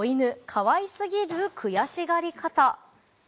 かわいすぎる悔しがり方。